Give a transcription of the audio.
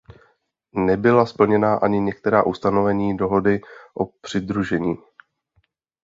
Nebyla splněna ani některá ustanovení dohody o přidružení.